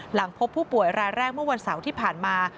หลังพบผู้ป่วยรายแรกเมื่อวันเสาร์ที่ผ่านมา